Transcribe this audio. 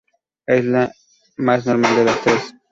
Es la más normal de las tres.